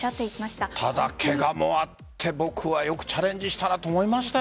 ただ、ケガもあって僕はよくチャレンジしたなと思いましたよ。